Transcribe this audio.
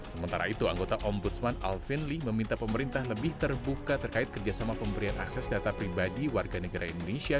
sementara itu anggota ombudsman alvin lee meminta pemerintah lebih terbuka terkait kerjasama pemberian akses data pribadi warga negara indonesia